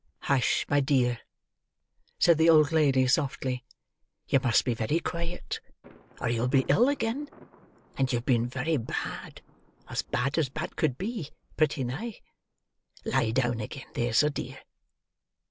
"Hush, my dear," said the old lady softly. "You must be very quiet, or you will be ill again; and you have been very bad,—as bad as bad could be, pretty nigh. Lie down again; there's a dear!"